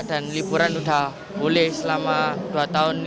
dan liburan sudah boleh selama dua tahun libur